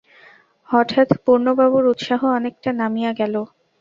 হঠাৎ পূর্ণবাবুর উৎসাহ অনেকটা নামিয়া গেল।